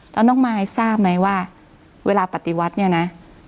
แล้วน้องมายทราบไหมว่าเวลาปฏิวัติเนี่ยนะ